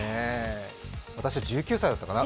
私は１９歳だったかな。